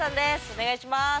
お願いします。